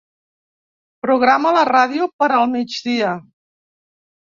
Programa la ràdio per al migdia.